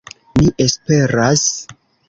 Mi esperas.